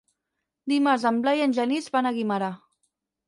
Dimarts en Blai i en Genís van a Guimerà.